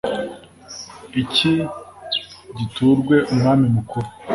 Icyi giturwe umwami mukuru.